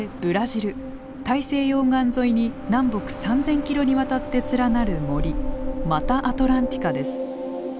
大西洋岸沿いに南北３，０００キロにわたって連なる森マタアトランティカです。